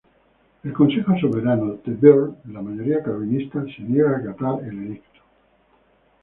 El Consejo Soberano de Bearne, de mayoría calvinista, se niega a acatar el edicto.